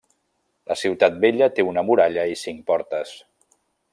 La ciutat vella té una muralla i cinc portes.